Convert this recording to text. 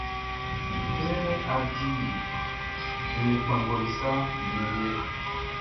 Kɛ á dí nnɛn kpanngɔʼn i saʼn, nian ɔ liɛʼn.